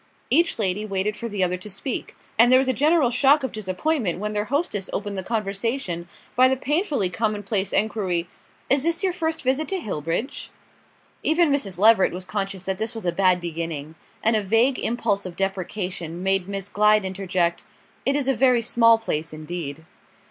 Each lady waited for the other to speak; and there was a general shock of disappointment when their hostess opened the conversation by the painfully commonplace enquiry. "Is this your first visit to Hillbridge?" Even Mrs. Leveret was conscious that this was a bad beginning; and a vague impulse of deprecation made Miss Glyde interject: "It is a very small place indeed."